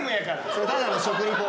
それただの食リポ。